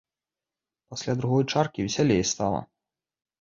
Пасля другой чаркі весялей стала.